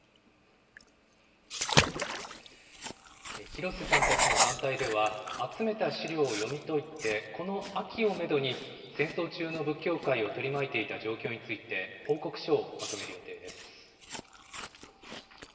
廣瀬さんたちの団体では、集めた資料を読み解いて、この秋をメドに、戦争中の仏教界を取り巻いていた状況について、報告書をまとめる予定です。